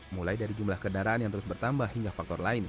mulai dari jumlah kendaraan yang terus bertambah hingga faktor lain